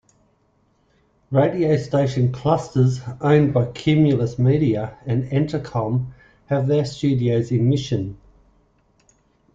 Radio station clusters owned by Cumulus Media and Entercom have their studios in Mission.